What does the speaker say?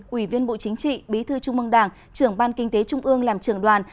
quỷ viên bộ chính trị bí thư trung mong đảng trưởng ban kinh tế trung ương làm trưởng đoàn